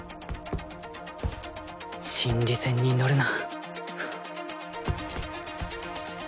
心理戦に乗るな